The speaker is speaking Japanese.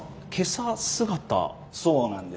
そうなんです。